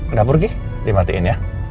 udah pergi dimatiin ya